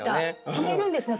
止めるんですね